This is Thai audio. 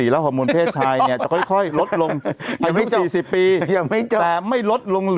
แล้วเราโทรไม่โทรหาสู่ชาติเหรอ